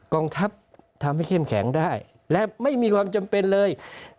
กองทัพทำให้เข้มแข็งได้และไม่มีความจำเป็นเลย